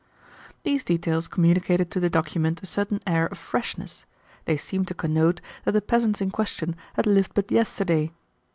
These details communicated to the document a certain air of freshness, they seemed to connote that the peasants in question had lived but yesterday.